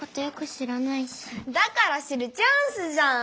だから知るチャンスじゃん！